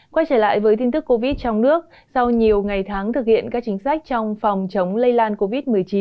quay trở lại với tin tức covid trong nước sau nhiều ngày tháng thực hiện các chính sách trong phòng chống lây lan covid một mươi chín